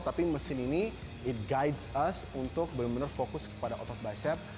tapi mesin ini it guides us untuk benar benar fokus kepada otot bicep